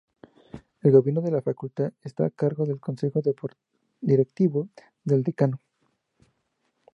El Gobierno de la Facultad está a cargo del Consejo Directivo y del Decano.